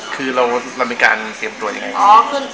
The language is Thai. คือเรามีการเตรียมตัวอย่างไรค่ะ